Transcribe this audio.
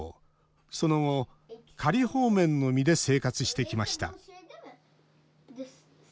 その後、仮放免の身で生活してきました。